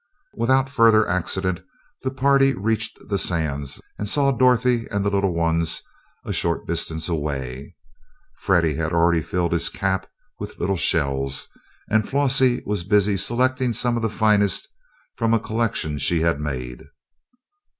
Without further accident the party reached the sands, and saw Dorothy and the little ones a short distance away. Freddie had already filled his cap with little shells, and Flossie was busy selecting some of the finest from a collection she had made.